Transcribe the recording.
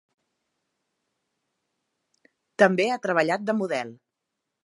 També ha treballat de model.